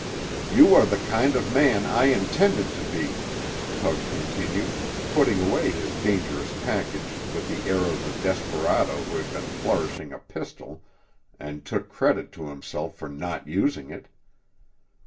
"You are the kind of a man I intended to be," Tug continued, putting away his dangerous package with the air of a desperado who had been flourishing a pistol and took credit to himself for not using it.